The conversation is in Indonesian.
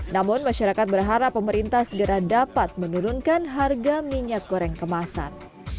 namun masyarakat berharap pemerintah segera dapat menurunkan harga minyak goreng kemasan